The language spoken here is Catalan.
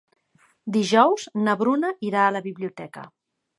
Dijous na Bruna irà a la biblioteca.